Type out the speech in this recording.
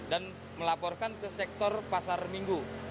dan melaporkan ke sektor pasar minggu